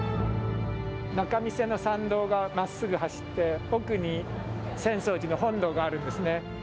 仲見世の参道がまっすぐ走って奥に浅草寺の本堂があるんですね。